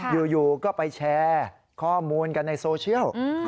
อยู่ก็ไปแชร์ข้อมูลกันในโซเชียล